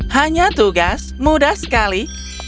hanya tugas mudah sekali